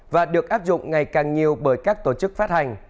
và được áp dụng ngày càng nhiều bởi các tổ chức phát hành